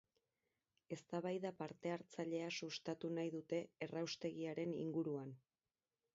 Eztabaida parte hartzailea sustatu nahi dute erraustegiaren inguruan.